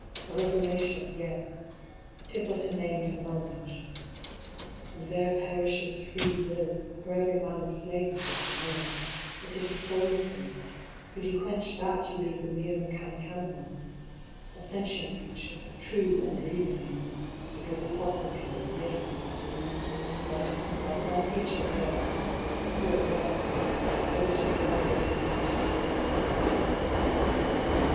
A revelation, yes; 'tis but a name for knowledge... and there perishes free will, for every man is slave of what he knows; it is the soul of him, could you quench that you leave the mere mechanic animal — a sentient creature, true, and reasoning, (because the clockwork in it's made for that), but, like my creature there, its purport lacked, so but its own abortive counterfeit.